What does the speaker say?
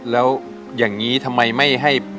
แล้วอย่างนี้ทำไมไม่ให้